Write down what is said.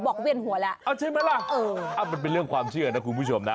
เวียนหัวแล้วเอาใช่ไหมล่ะเออมันเป็นเรื่องความเชื่อนะคุณผู้ชมนะ